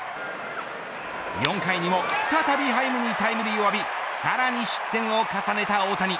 ４回にも再びハイムにタイムリーを浴びさらに失点を重ねた大谷。